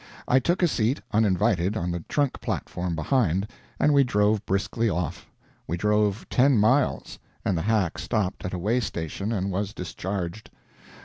I took a seat (uninvited) on the trunk platform behind, and we drove briskly off. We drove ten miles, and the hack stopped at a way station and was discharged.